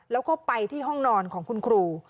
แล้วก็ไปที่ห้องนอนของคุณครู